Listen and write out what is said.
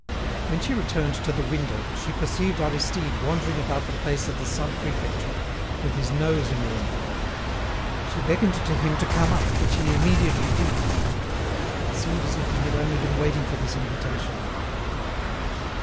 When she returned to the window, she perceived Aristide wandering about the place of the Sub Prefecture, with his nose in the air. She beckoned to him to come up, which he immediately did. It seemed as if he had only been waiting for this invitation.